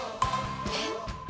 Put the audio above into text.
えっ？